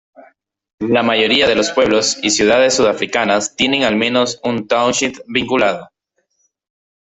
La mayoría de los pueblos y ciudades sudafricanas tienen al menos un township vinculado.